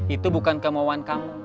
itu bukan kemauan kamu